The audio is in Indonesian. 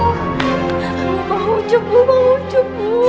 ibu bang ucup ibu bang ucup